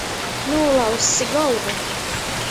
Nūlauzsi golvu!